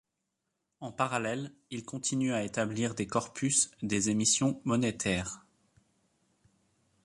En parallèle, il continue à établir des corpus des émissions monétaires.